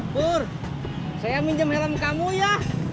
bur saya minjem helm kamu ya